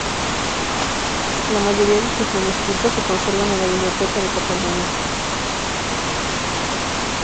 La mayoría de sus manuscritos se conservan en la Biblioteca de Cataluña.